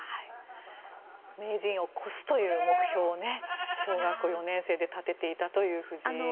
名人を超すという目標を小学４年生で立てていたという藤井竜王です。